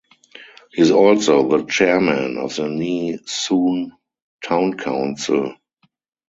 He is also the chairman of the Nee Soon Town Council.